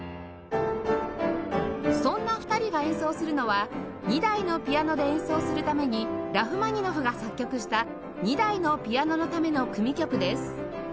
そんな２人が演奏するのは２台のピアノで演奏するためにラフマニノフが作曲した『２台のピアノのための組曲』です